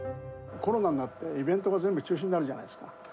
コロナになって、イベントが全部中止になるじゃないですか。